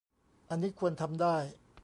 อันนี้ควรทำได้